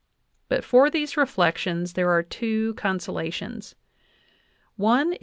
But for these re flections there are two consolations : one is.